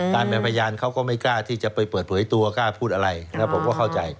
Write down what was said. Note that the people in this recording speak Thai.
การเป็นพยานเขาก็ไม่กล้าที่จะไปเปิดเผยตัวกล้าพูดอะไรแล้วผมก็เข้าใจ